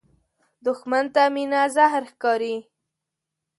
دښمن ته مینه زهر ښکاري